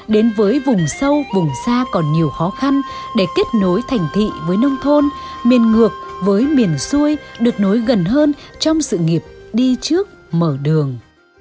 đến với vùng sâu vùng xa còn nhiều khó khăn để kết nối thành thị với nông thôn miền ngược với miền xuôi được nối gần hơn trong sự nghiệp đi trước mở đường